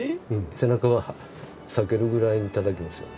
背中が裂けるぐらいにたたきますよ。